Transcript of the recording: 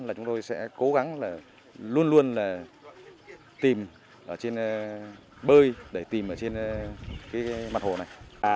là chúng tôi sẽ cố gắng là luôn luôn là tìm ở trên bơi để tìm ở trên cái mặt hồ này